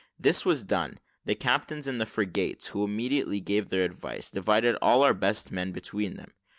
This was done, and the captains of the frigates, who immediately gave their advice, divided all our best men between them.